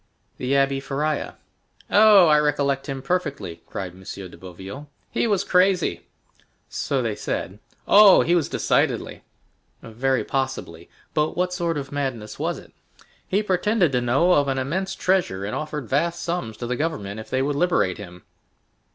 "The Abbé Faria." "Oh, I recollect him perfectly," cried M. de Boville; "he was crazy." "So they said." "Oh, he was, decidedly." "Very possibly; but what sort of madness was it?" "He pretended to know of an immense treasure, and offered vast sums to the government if they would liberate him."